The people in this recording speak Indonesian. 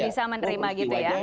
bisa menerima gitu ya